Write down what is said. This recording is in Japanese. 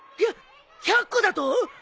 ひゃ１００個だと？